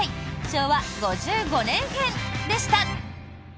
昭和５５年編でした。